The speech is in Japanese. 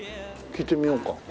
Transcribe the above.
聞いてみようか。